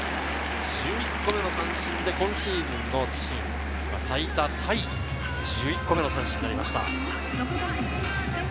１１個目の三振で今シーズンの自身最多タイ１１個目の三振です。